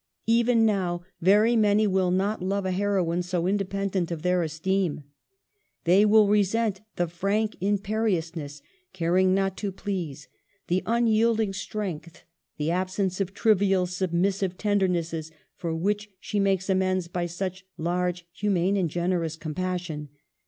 Even now, very many will not love a heroine so independent of their esteem. They will resent the frank im periousness, caring not to please, the unyielding strength, the absence of trivial submissive ten dernesses, for which she makes amends by such large humane and generous compassion.